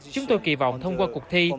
chúng tôi kỳ vọng thông qua cuộc thi